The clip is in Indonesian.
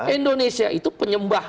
indonesia itu penyembah